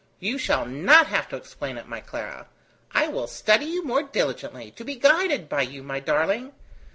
You shall not have to explain it, my Clara. I will study you more diligently, to be guided by you, my darling.